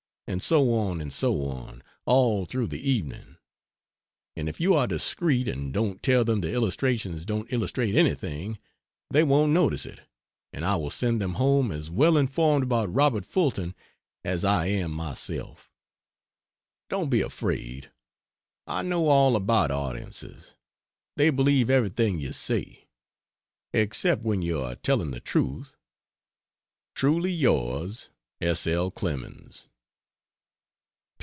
And so on and so on, all through the evening; and if you are discreet and don't tell them the illustrations don't illustrate anything, they won't notice it and I will send them home as well informed about Robert Fulton as I am myself. Don't be afraid; I know all about audiences, they believe everything you say, except when you are telling the truth. Truly yours, S. L. CLEMENS.